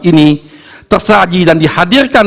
ini tersaji dan dihadirkan